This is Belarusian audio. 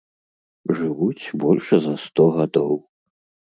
Жывуць больш за сто гадоў.